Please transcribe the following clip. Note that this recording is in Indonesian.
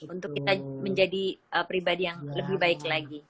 untuk kita menjadi pribadi yang lebih baik lagi